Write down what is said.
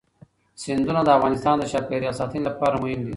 سیندونه د افغانستان د چاپیریال ساتنې لپاره مهم دي.